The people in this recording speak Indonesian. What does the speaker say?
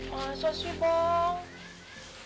masa sih bang